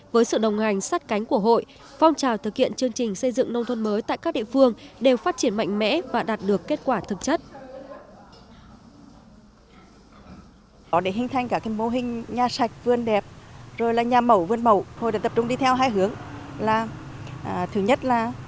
với sự đồng hành sát cánh của hội phong trào thực hiện chương trình xây dựng nông thôn mới tại các địa phương đều phát triển mạnh mẽ và đạt được kết quả thực chất